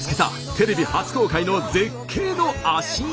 テレビ初公開の絶景の足湯。